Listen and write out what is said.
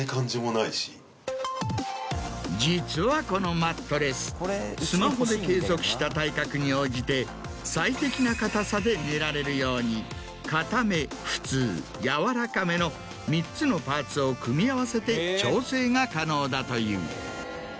実はこのマットレススマホで計測した体格に応じて最適な硬さで寝られるように硬め普通柔らかめの３つのパーツを組み合わせて調整が可能だという。